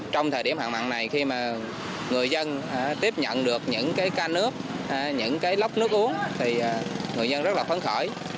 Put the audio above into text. trong thời điểm hạn mặn này khi mà người dân tiếp nhận được những cái ca nước những cái lốc nước uống thì người dân rất là phấn khởi